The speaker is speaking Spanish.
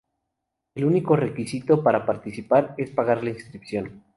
El único requisito para participar es pagar la inscripción.